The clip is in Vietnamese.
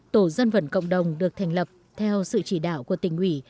tổ dân vận cộng đồng được thành lập theo sự chỉ đạo của tỉnh ủy